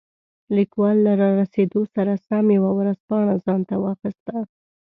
لیکوال له رارسېدو سره سم یوه ورځپاڼه ځانته واخیسته.